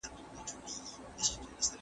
تعصب د جهالت نښه ده.